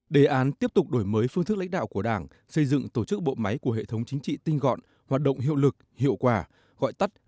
đề án tiếp tục đổi mới phương thức lãnh đạo của đảng xây dựng tổ chức bộ máy của hệ thống chính trị tinh gọn hoạt động hiệu lực hiệu quả gọi tắt